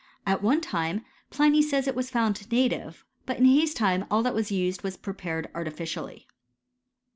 At one time, Pliny says, ittjf was found native ; but in his time all that was usedub was prepared artificially.